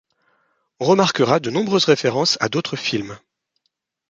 On remarquera de nombreuses référence à d'autres films.